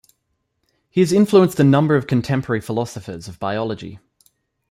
He has influenced a number of contemporary philosophers of biology.